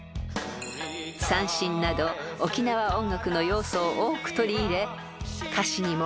［三線など沖縄音楽の要素を多く取り入れ歌詞にも］